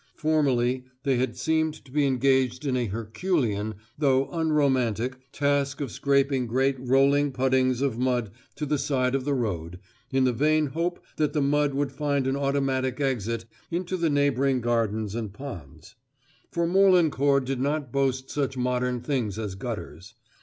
Formerly they had seemed to be engaged in a Herculean, though unromantic, task of scraping great rolling puddings of mud to the side of the road, in the vain hope that the mud would find an automatic exit into neighbouring gardens and ponds; for Morlancourt did not boast such modern things as gutters.